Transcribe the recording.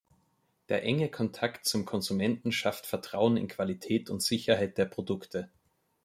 Der enge Kontakt zum Konsumenten schafft Vertrauen in Qualität und Sicherheit der Produkte.